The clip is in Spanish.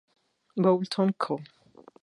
Boulton Co.